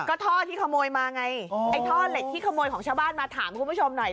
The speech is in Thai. ก็ท่อที่ขโมยมาไงไอ้ท่อเหล็กที่ขโมยของชาวบ้านมาถามคุณผู้ชมหน่อย